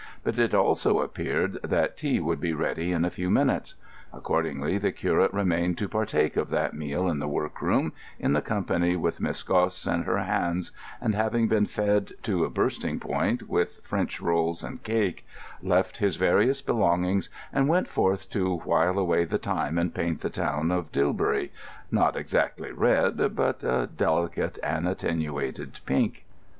But it also appeared that tea would be ready in a few minutes. Accordingly the curate remained to partake of that meal in the workroom, in company with Miss Gosse and her "hands"; and having been fed to bursting point with French rolls and cake, left his various belongings and went forth to while away the time and paint the town of Dilbury—not exactly red, but a delicate and attenuated pink.